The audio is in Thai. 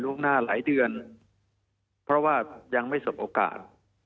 หน้าหลายเดือนเพราะว่ายังไม่สบโอกาส